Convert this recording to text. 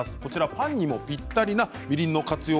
パンにもぴったりなみりんの活用